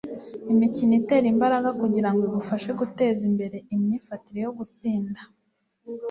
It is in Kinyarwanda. Imikino itera imbaraga kugirango igufashe guteza imbere imyifatire yo gutsinda